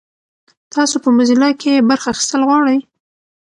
تاسو په موزیلا کې برخه اخیستل غواړئ؟